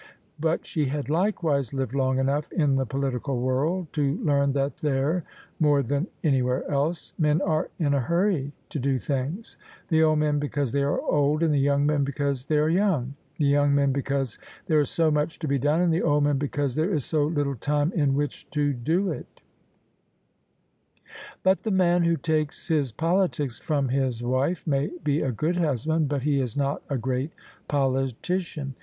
But she had likewise lived long enough in the political world to learn that there — more than anywhere else — ^men are in a hurry to do things: the old men because they are old, and the young men because they are young: the young men because there is so much to be done, and the old men because there is so little time in which to do it But the man who takes his politics from his wife may be a good husband but he is not a great politician.